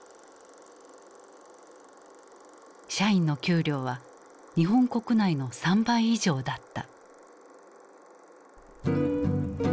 社員の給料は日本国内の３倍以上だった。